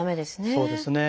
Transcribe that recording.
そうですね。